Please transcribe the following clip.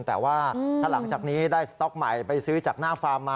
แต่ว่าถ้าหลังจากนี้ได้สต๊อกใหม่ไปซื้อจากหน้าฟาร์มมา